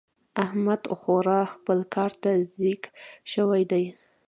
احمد خورا خپل کار ته ځيږ شوی دی.